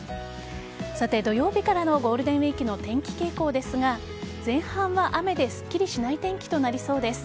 さて、土曜日からのゴールデンウイークの天気傾向ですが前半は雨ですっきりしない天気となりそうです。